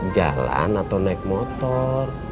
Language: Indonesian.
jalan atau naik motor